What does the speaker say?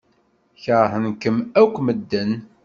Keṛhen-ken akk medden.